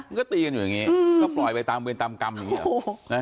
มันก็ตีกันอยู่อย่างนี้ก็ปล่อยไปตามเวรตามกรรมอย่างนี้หรอ